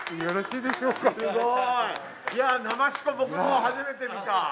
よろしいでしょうか？